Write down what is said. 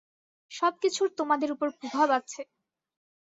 সবকিছুর তোমাদের উপর প্রভাব আছে!